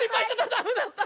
ダメだった！